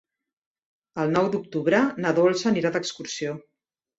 El nou d'octubre na Dolça anirà d'excursió.